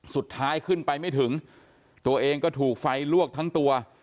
สุดท้ายขึ้นไปไม่ถึงตัวเองก็ถูกไฟลวกทั้งตัว